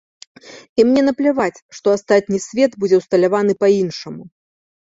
І мне напляваць, што астатні свет будзе ўсталяваны па-іншаму.